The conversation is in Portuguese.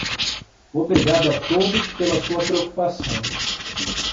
Obrigado a todos pela sua preocupação.